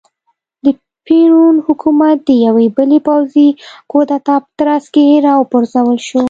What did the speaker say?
د پېرون حکومت د یوې بلې پوځي کودتا په ترڅ کې را وپرځول شو.